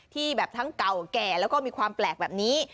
ที่แบบทั้งเก่าแก่แล้วก็มีความแปลกแบบนี้